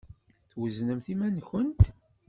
Tweznemt iman-nkent?